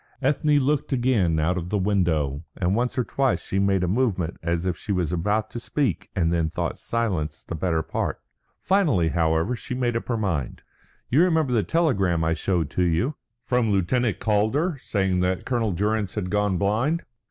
Ethne looked again out of the window, and once or twice she made a movement as if she was about to speak and then thought silence the better part. Finally, however, she made up her mind. "You remember the telegram I showed to you?" "From Lieutenant Calder, saying that Colonel Durrance had gone blind?"